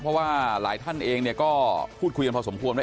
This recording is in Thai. เพราะว่าหลายท่านเองก็พูดคุยกันพอสมควรว่า